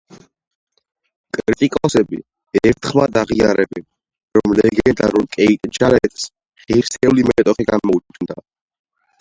კრიტიკოსები ერთხმად აღიარებენ, რომ ლეგენდარულ კეიტ ჯარეტს ღირსეული მეტოქე გამოუჩნდა.